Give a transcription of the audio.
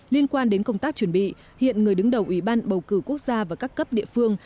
liên quan đến công tác chuẩn bị hiện người đứng đầu ủy ban bầu cử quốc gia và các cấp địa phương